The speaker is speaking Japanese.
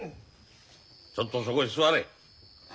ちょっとそこへ座れ。